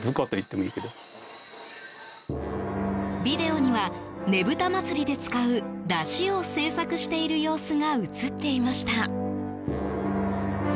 ビデオには、ねぶた祭りで使う山車を制作している様子が映っていました。